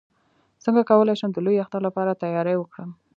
څنګه کولی شم د لوی اختر لپاره تیاری وکړم